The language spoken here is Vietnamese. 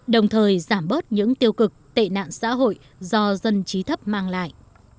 đồng thời giảm bớt những tiêu cực tệ nạn xã hội do dân trí thấp mang lại